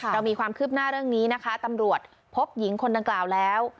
เรามีความคืบหน้าเรื่องนี้นะคะตำรวจพบหญิงคนดังกล่าวแล้ว